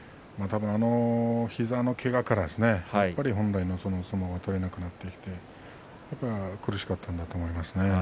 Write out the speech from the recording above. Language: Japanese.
多分、膝のけがから本来の相撲が取れなくなって苦しかったんだと思います。